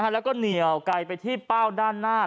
แล้วก็เหนียวไกลไปที่เป้าด้านหน้า